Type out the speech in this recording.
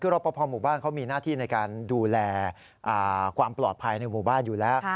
คือรอปภหมู่บ้านเขามีหน้าที่ในการดูแลความปลอดภัยในหมู่บ้านอยู่แล้ว